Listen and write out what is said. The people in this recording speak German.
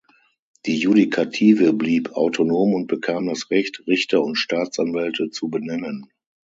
Die Judikative blieb autonom und bekam das Recht, Richter und Staatsanwälte zu benennen.